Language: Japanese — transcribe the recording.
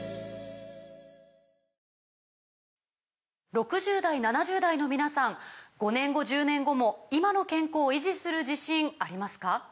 ６０代７０代の皆さん５年後１０年後も今の健康維持する自信ありますか？